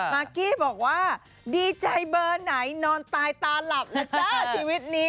มากกี้บอกว่าดีใจเบอร์ไหนนอนตายตาหลับแล้วจ้าชีวิตนี้